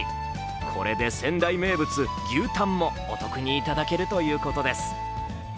これで仙台名物、牛タンもお得にいただけるということです。